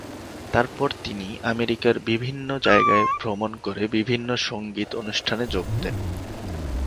তার পর তিনি আমেরিকার বিভিন্ন জায়গায় ভ্রমণ করে বিভিন্ন সঙ্গীত অনুষ্ঠানে যোগ দেন।